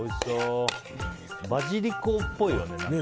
バジリコっぽいよね、何かね。